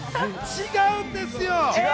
違うんですよ。